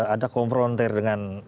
ada konfrontir dengan